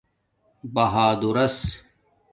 بہادورس